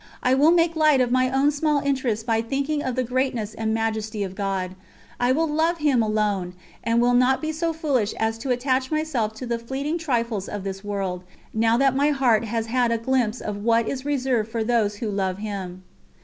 I will make light of my own small interests by thinking of the greatness and majesty of God; I will love Him alone, and will not be so foolish as to attach myself to the fleeting trifles of this world, now that my heart has had a glimpse of what is reserved for those who love Him."